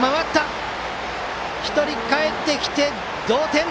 １人かえってきて同点！